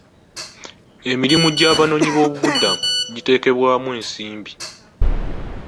Emirimu gy'abanoonyi b'obubudamu giteekebwamu ensimbi.